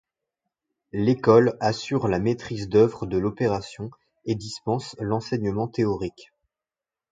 L'école assure la maîtrise d'œuvre de l'opération et dispense l'enseignement théorique.